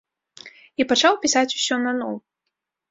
І пачаў пісаць усё наноў.